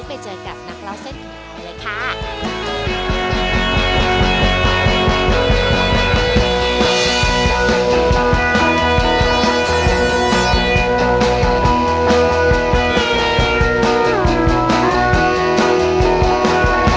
ก็เจอกับนักราวเซ็นต์นี้เลยค่ะ